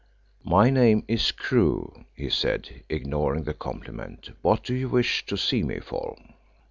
"My name is Crewe," he said, ignoring the compliment. "What do you wish to see me for?"